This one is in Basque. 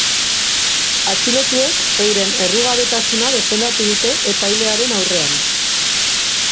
Atxilotuek euren errugabetasuna defendatu dute epailearen aurrean.